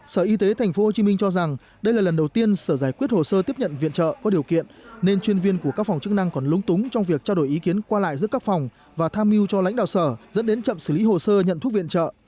sở y tế tp hcm cho rằng đây là lần đầu tiên sở giải quyết hồ sơ tiếp nhận viện trợ có điều kiện nên chuyên viên của các phòng chức năng còn lúng túng trong việc trao đổi ý kiến qua lại giữa các phòng và tham mưu cho lãnh đạo sở dẫn đến chậm xử lý hồ sơ nhận thuốc viện trợ